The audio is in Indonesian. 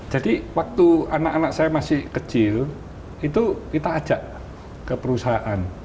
jadi waktu anak anak saya masih kecil itu kita ajak ke perusahaan